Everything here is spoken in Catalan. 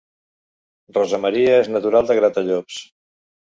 Rosa Maria és natural de Gratallops